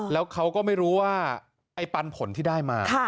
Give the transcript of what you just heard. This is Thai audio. แล้วเขาก็ไม่รู้ว่าไอ้ปันผลที่ได้มา